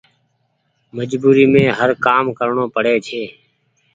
مجبوري مين هر ڪآم ڪرڻو پڙي ڇي۔